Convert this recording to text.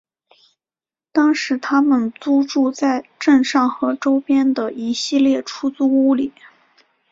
当时他们租住在镇上和周边的一系列出租屋里。